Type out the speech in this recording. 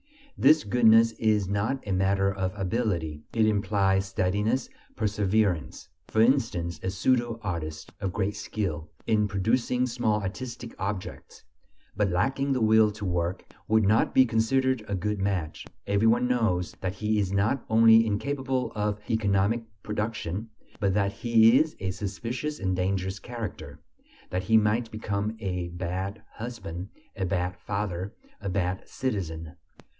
This goodness is not a matter of ability; it implies steadiness, perseverance. For instance, a pseudo artist of great skill in producing small artistic objects, but lacking the will to work, would not be considered a good match. Every one knows that he is not only incapable of economic production, but that he is a suspicious and dangerous character, that he might become a bad husband, a bad father, a bad citizen.